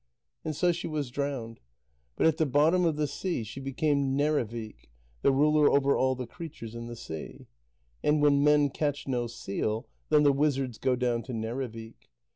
And so she was drowned. But at the bottom of the sea, she became Nerrivik, the ruler over all the creatures in the sea. And when men catch no seal, then the wizards go down to Nerrivik.